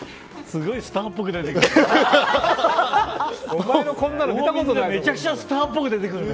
すごいスターっぽく出てきた。